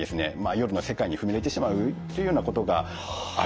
夜の世界に踏み入れてしまうっていうようなことがあるんですね。